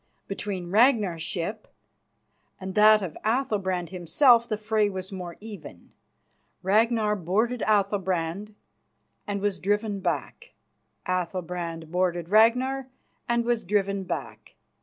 Between Ragnar's ship and that of Athalbrand himself the fray was more even. Ragnar boarded Athalbrand and was driven back. Athalbrand boarded Ragnar and was driven back.